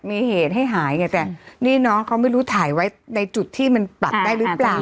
มีเหตุให้หายไงแต่นี่น้องเขาไม่รู้ถ่ายไว้ในจุดที่มันปรับได้หรือเปล่า